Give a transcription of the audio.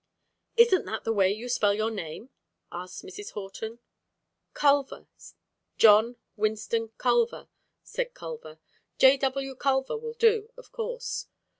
"Isn't that the way you spell your name?" asked Mrs. Horton. "Culver: John Winston Culver," said Culver. "J. W. Culver will do, of course."